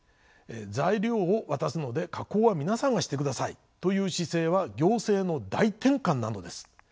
材料を渡すので加工は皆さんがしてくださいという姿勢は行政の大転換なのです。